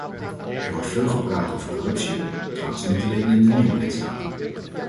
Er wordt veel gepraat over corruptie, trouwens niet alleen in de nieuwe lidstaten.